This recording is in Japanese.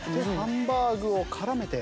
ハンバーグを絡めて。